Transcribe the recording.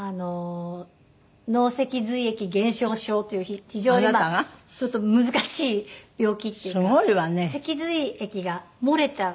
脳脊髄液減少症という非常に難しい病気っていうか脊髄液が漏れちゃう。